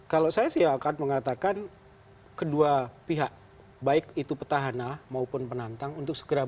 kalau saya sih akan mengatakan kedua pihak baik itu petahana maupun penantang untuk segera